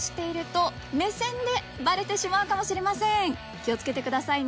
気を付けてくださいね。